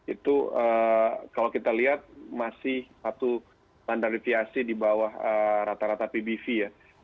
itu kalau kita lihat masih satu standar deviasi di bawah rata rata pbv ya